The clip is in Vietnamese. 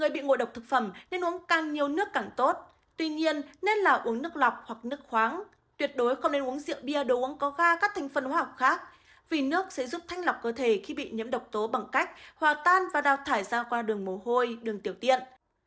vì nước sẽ giúp thanh lọc cơ thể khi bị nhiễm độc tố bằng cách hòa tan và đào thải ra qua đường mồ hôi đường tiểu tiện